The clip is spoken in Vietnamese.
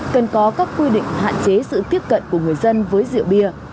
cần có các quy định hạn chế sự tiếp cận của người dân với rượu bia